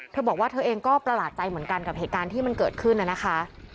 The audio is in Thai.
เธอบอกว่าเธอเองก็ประหลาดใจเหมือนกันกับเหตุการณ์ที่มันเกิดขึ้นน่ะนะคะ